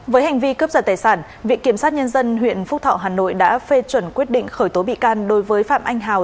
với hành vi cướp giật tài sản viện kiểm sát nhân dân huyện phúc thọ hà nội đã phê chuẩn quyết định khởi tố bị can đối với phạm anh hào